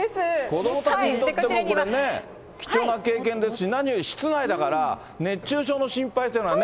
子どもたちにとってもこれね、貴重な経験で、何より室内だから、熱中症の心配というのはね。